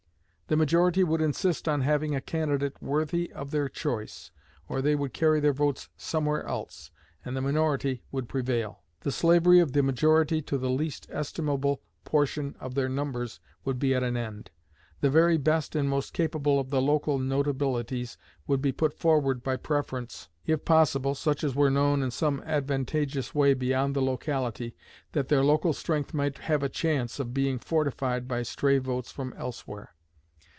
The majority would insist on having a candidate worthy of their choice, or they would carry their votes somewhere else, and the minority would prevail. The slavery of the majority to the least estimable portion of their numbers would be at an end; the very best and most capable of the local notabilities would be put forward by preference; if possible, such as were known in some advantageous way beyond the locality, that their local strength might have a chance of being fortified by stray votes from elsewhere.